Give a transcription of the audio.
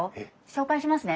紹介しますね。